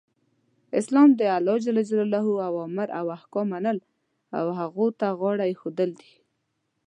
اسلام د الله ج اوامرو او احکامو منل او هغو ته غاړه ایښودل دی .